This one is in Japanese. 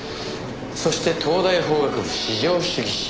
そして東大法学部至上主義者。